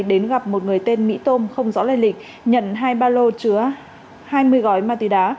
đến gặp một người tên mỹ tôm không rõ lây lịch nhận hai ba lô chứa hai mươi gói ma túy đá